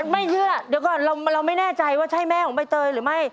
ไม่เชื่อเดี๋ยวก่อนเราไม่แน่ใจว่าใช่แม่ของใบเตยหรือไม่